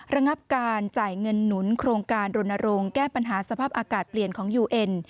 ระงับการจ่ายเงินหนุนโครงการรณรงค์แก้ปัญหาสภาพอากาศเปลี่ยนของยูเอ็น